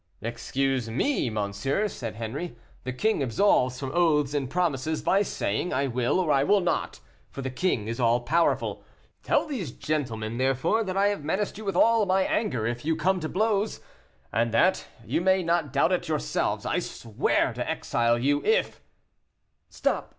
"Excuse me, monsieur," said Henri, "the king absolves from oaths and promises by saying, 'I will, or I will not,' for the king is all powerful. Tell these gentlemen, therefore, that I have menaced you with all my anger it you come to blows; and that you may not doubt it yourselves, I swear to exile you, if " "Stop!